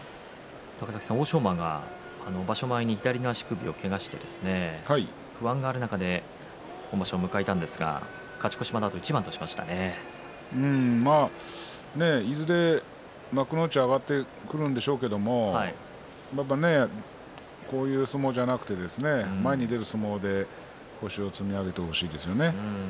欧勝馬が場所前に左の足首をけがして不安がある中で場所を迎えたんですが勝ち越しまでいずれ幕内に上がってくるんでしょうけれどもこういう相撲じゃなくて前に出る相撲で星を積み上げてほしいですよね。